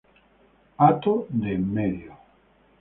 Hato de enmedio